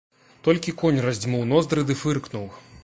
Толькі конь раздзьмуў ноздры ды фыркнуў.